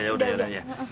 ya yaudah yaudah ya